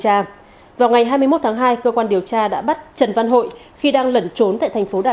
tra vào ngày hai mươi một tháng hai cơ quan điều tra đã bắt trần văn hội khi đang lẩn trốn tại thành phố đà